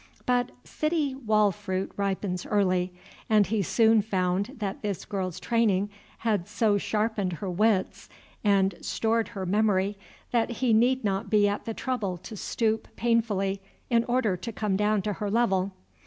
But city wall fruit ripens early, and he soon found that this girl's training had so sharpened her wits and stored her memory, that he need not be at the trouble to stoop painfully in order to come down to her level.